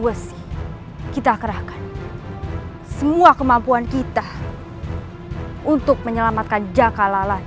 wesi kita kerahkan semua kemampuan kita untuk menyelamatkan jaka lalana